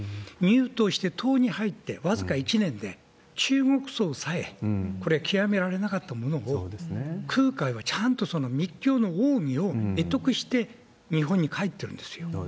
にゅうとしてとうに入って僅か１年で、中国僧でさえこれ、極められなかったものを、空海がちゃんとその密教の奥義を会得して、日本に帰ってるんですよ。